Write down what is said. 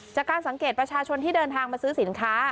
จากการสังเกตประชาชนที่เดินทางมาซื้อสินค้า